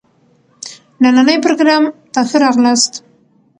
نني پروګرام ته ښه راغلاست.